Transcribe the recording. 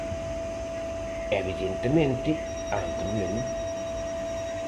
Evidentemente, hai un problema.